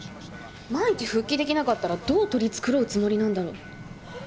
万一復帰できなかったらどう取り繕うつもりなんだろう？